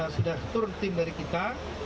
sudah turun tim dari kita